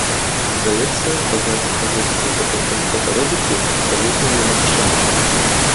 Здаецца, пазнаць кагосьці па такім фотаробаце абсалютна немагчыма.